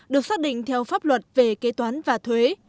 được xác định theo pháp luật về kế toán và thuế